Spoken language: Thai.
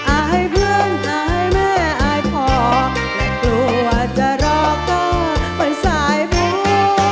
อ้ายเพื่อนอ้ายแม่อ้ายพ่อแต่กลัวจะรอก็มันสายพวก